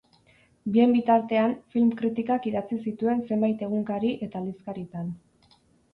Bien bitartean, film-kritikak idatzi zituen zenbait egunkari eta aldizkaritan.